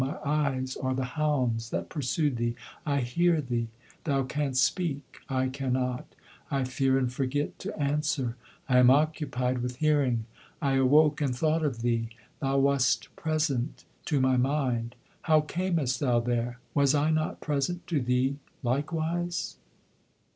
My eyes are the hounds that pursued thee. I hear thee; thou canst speak, I cannot; I fear and forget to answer; I am occupied with hearing. I awoke and thought of thee; thou wast present to my mind. How camest thou there? Was I not present to thee, likewise?"